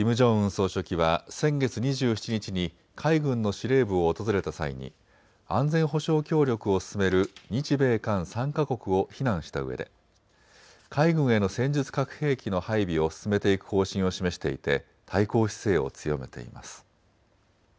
総書記は先月２７日に海軍の司令部を訪れた際に安全保障協力を進める日米韓３か国を非難したうえで海軍への戦術核兵器の配備を進めていく方針を示していて対抗姿勢を強めています。